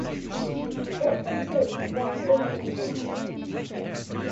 Let's improve wrong drinking culture!